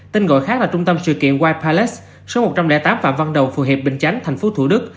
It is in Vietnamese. tên gọi khác là trung tâm sự kiện wil palace số một trăm linh tám phạm văn đồng phường hiệp bình chánh tp thủ đức